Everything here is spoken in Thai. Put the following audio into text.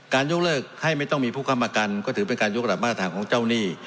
ยกเลิกให้ไม่ต้องมีผู้ค้ำประกันก็ถือเป็นการยกระดับมาตรฐานของเจ้าหนี้